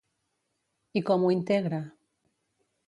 I com ho integra?